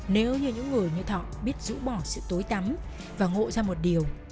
nếu như những người như họ biết rũ bỏ sự tối tắm và ngộ ra một điều